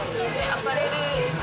アパレル。